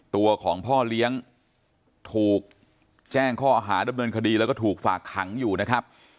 ตัวของพ่อเลี้ยงถูกแจ้งข้อหาดำเนินคดีแล้วก็ถูกฝากขังอยู่นะครับ